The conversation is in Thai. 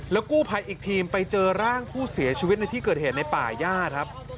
กู้ภัยอีกทีมไปเจอร่างผู้เสียชีวิตในที่เกิดเหตุในป่าย่าครับ